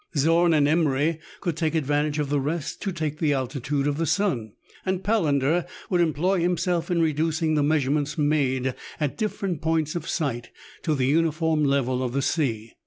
Zorn and Emery could take advantage of the rest, to take the altitude of the sun ; and Palander would employ himself in reducing the mea surements made at different points of sight to the uniform level of the sea.